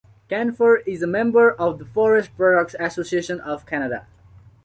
Canfor is a member of the Forest Products Association of Canada.